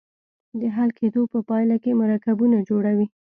د حل کیدو په پایله کې مرکبونه جوړوي.